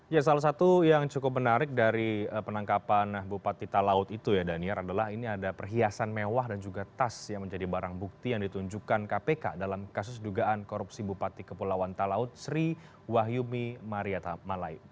ya salah satu yang cukup menarik dari penangkapan bupati talaut itu ya daniar adalah ini ada perhiasan mewah dan juga tas yang menjadi barang bukti yang ditunjukkan kpk dalam kasus dugaan korupsi bupati kepulauan talaut sri wahyumi mariata malai